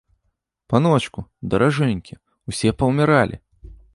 Паночку, даражэнькі, усе паўміралі!